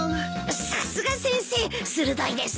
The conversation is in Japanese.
さすが先生鋭いですね。